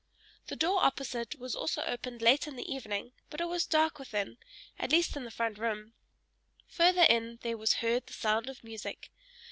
The door opposite was also opened late in the evening, but it was dark within, at least in the front room; further in there was heard the sound of music.